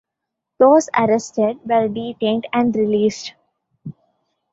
Those arrested were detained and released.